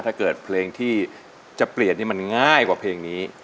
ถ้าเกิดเพลงที่จะเปลี่ยนนี่มันง่ายกว่าเพลงนี้